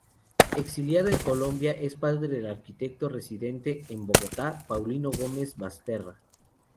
Exiliado en Colombia, es padre del arquitecto residente en Bogotá, Paulino Gómez Basterra.